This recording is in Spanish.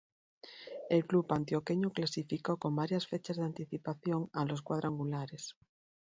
El club antioqueño clasificó con varias fechas de anticipación a los cuadrangulares.